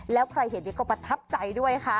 แล้วใครเห็นนี้ก็ประทับใจด้วยค่ะ